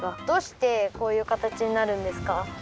どうしてこういう形になるんですか？